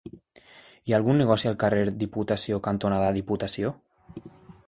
Hi ha algun negoci al carrer Diputació cantonada Diputació?